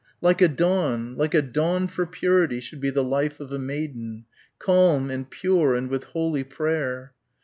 Like a dawn, like a dawn for purity should be the life of a maiden. Calm, and pure and with holy prayer."